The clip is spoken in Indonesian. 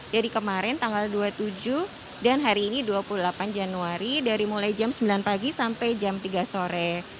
jadi kemarin tanggal dua puluh tujuh dan hari ini dua puluh delapan januari dari mulai jam sembilan pagi sampai jam tiga sore